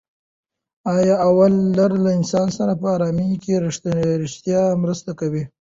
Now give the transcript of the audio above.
ایا اولاد لرل له انسان سره په ارامي کې ریښتیا مرسته کوي؟